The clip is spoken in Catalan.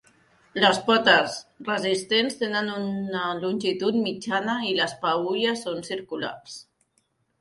Les potes, resistents, tenen una longitud mitjana i les peülles són circulars.